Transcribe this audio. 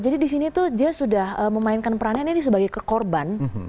jadi disini tuh dia sudah memainkan perannya ini sebagai kekorban